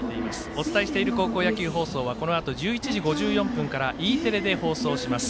お伝えしている高校野球放送はこのあと１１時５４分からＥテレで放送します。